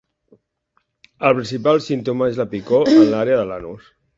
El principal símptoma és la picor en l'àrea de l'anus.